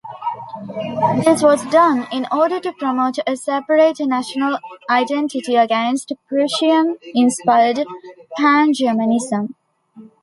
This was done in order to promote a separate national identity against Prussian-inspired Pan-Germanism.